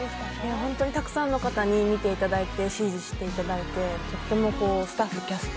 本当にたくさんの方に見ていただいて支持していただいてとてもスタッフ、キャスト